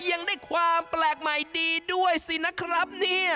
ยังได้ความแปลกใหม่ดีด้วยสินะครับเนี่ย